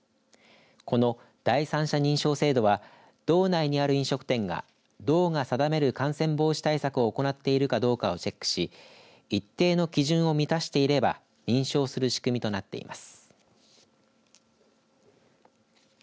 この第三者認証制度は道内にある飲食店が道が定める感染防止対策を行っているかどうかをチェックし一定の基準を満たしていれば認証する仕組みとなっています。